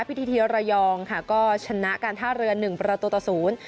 พีทีทีระยองค่ะก็ชนะการท่าเรือ๑ประตูต่อ๐